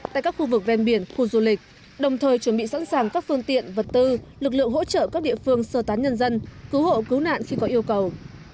tại các khu vực ven biển khu du lịch đồng thời chuẩn bị sẵn sàng các phương tiện vật tư lực lượng hỗ trợ các địa phương sơ tán nhân dân cứu hộ cứu nạn khi có yêu cầu